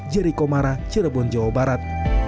jerry komara cirebon jawa barat